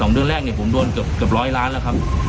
เดือนแรกเนี่ยผมโดนเกือบร้อยล้านแล้วครับ